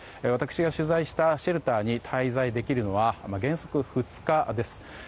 私が取材したシェルターに滞在できるのは原則２日です。